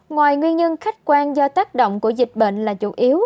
ngoài nguyên nhân khách quan do tác động của dịch bệnh là chủ yếu